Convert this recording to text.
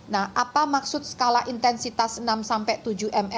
nah apa maksud skala intensitas enam tujuh mmi artinya bangunan standar dapat mengalami rusak sedang